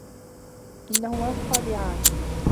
إنّهما مخادعان.